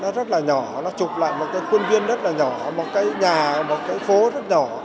nó rất là nhỏ nó chụp lại một cái khuôn viên rất là nhỏ một cái nhà một cái phố rất nhỏ